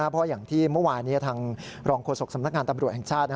เพราะอย่างที่เมื่อวานทางรองโฆษกสำนักงานตำรวจแห่งชาติ